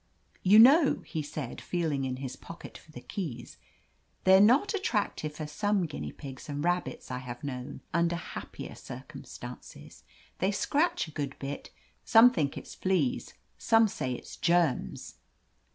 "You know," he said, feeling in his pocket for the keys, "they're not attractive as some guinea pigs and rabbits I have known under happier circumstances. They scratch a good bit — some think it's fleas ; some say it's germs.'